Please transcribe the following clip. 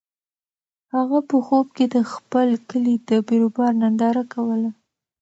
هغه په خوب کې د خپل کلي د بیروبار ننداره کوله.